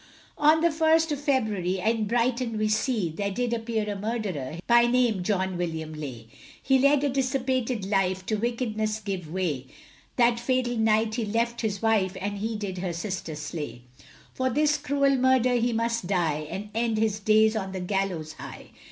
On the first of February, In Brighton we see, There did appear a murderer, By name John William Leigh. He led a dissipated life, To wickedness gave way, That fatal night he left his wife, And he did her sister slay. For this cruel murder he must die, And end his days on the gallows high.